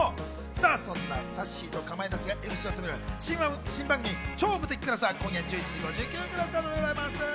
そんなさっしーと、かまいたちがＭＣをする新番組『超無敵クラス』は今夜１１時５９分からスタートです。